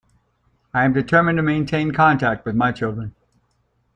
I am determined to maintain contact with my children.